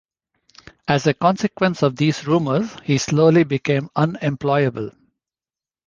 As a consequence of these rumors, he slowly became unemployable.